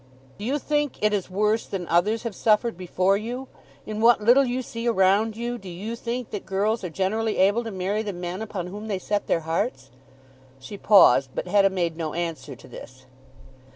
"Do you think it is worse than others have suffered before you? In what little you see around you do you think that girls are generally able to marry the men upon whom they set their hearts?" She paused, but Hetta made no answer to this.